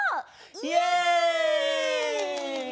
イエイ！